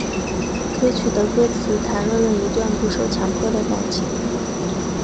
歌曲的歌词谈论了一段不受强迫的感情。